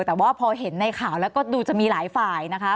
แต่ว่าพอเห็นในข่าวแล้วก็ดูจะมีหลายฝ่ายนะคะ